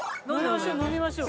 飲みましょう。